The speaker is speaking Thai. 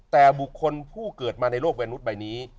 แต่บุคคลผู้เกิดมาในโรคแวรนุสไบนี้